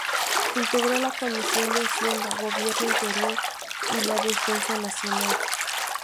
Integró la Comisión de Hacienda, Gobierno Interior y la de Defensa Nacional.